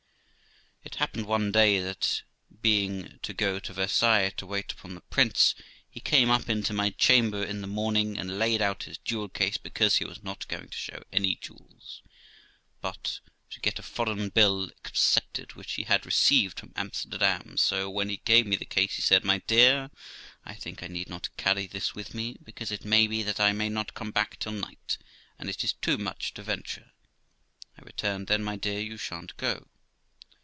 It happened one day that, being to go to Versailles to wait upon the Prince of , he came up into my chamber in the morning, and laid out his jewel case, because he was not going to show any jewels, but to get a foreign bill accepted, which he had received from Amsterdam; so, when he gave me the case, he said, 'My dear, I think I need not carry this with me, because it may be I may not come back till night, and it is too much to venture.' I returned, 'Then, my dear, you shan't go.'